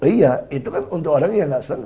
iya itu kan untuk orang yang tidak senang